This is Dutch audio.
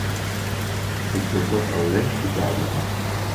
Ik wil dat alleen verduidelijken.